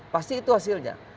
pasti itu hasilnya